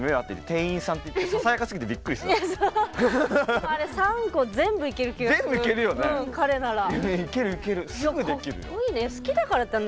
店員さんってあれ３個全部いける気がする、彼なら。